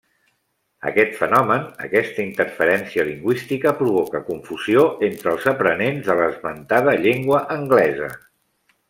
Aquest fenomen, aquesta interferència lingüística, provoca confusió entre els aprenents de l’esmentada llengua anglesa.